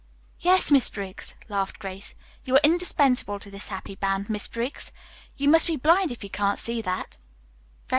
"Yes, Miss Briggs," laughed Grace, "you are indispensable to this happy band, Miss Briggs. You must be blind if you can't see that."